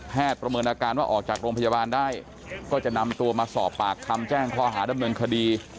ประเมินอาการว่าออกจากโรงพยาบาลได้ก็จะนำตัวมาสอบปากคำแจ้งข้อหาดำเนินคดี